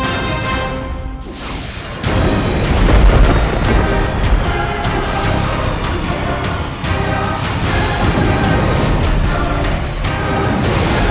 aku akan menang